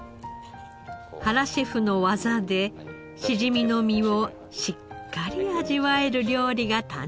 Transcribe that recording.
原シェフの技でしじみの身をしっかり味わえる料理が誕生しました。